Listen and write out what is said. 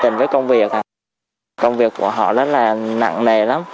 tìm với công việc công việc của họ rất là nặng nề lắm